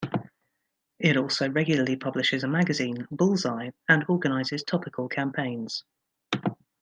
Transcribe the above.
It also regularly publishes a magazine, "Bullseye", and organises topical campaigns.